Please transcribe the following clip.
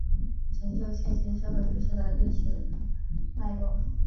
成就现今社会局势的历史脉络